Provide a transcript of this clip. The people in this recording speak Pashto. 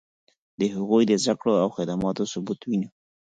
د هغوی د زدکړو او خدماتو ثبوت وینو.